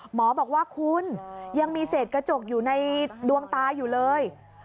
หมอบอกว่าคุณยังมีเศษกระจกอยู่ในดวงตาอยู่เลย